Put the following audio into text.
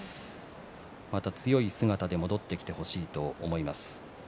また強い姿で戻ってきてほしいと思います。